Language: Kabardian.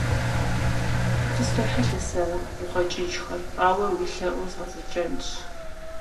Къыстохьэлъэ сэ а гукъэкӀыжхэр, ауэ уи лъэӀур згъэзэщӀэнщ.